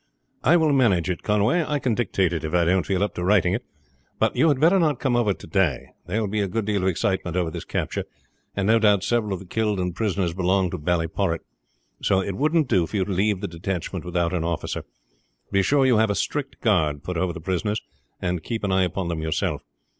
"I will manage it, Conway. I can dictate it if I don't feel up to writing it. But you had better not come over to day. There will be a good deal of excitement over this capture, and no doubt several of the killed and prisoners belong to Ballyporrit; so it wouldn't do for you to leave the detachment without an officer. Be sure you have a strict guard put over the prisoners, and keep an eye upon them yourself.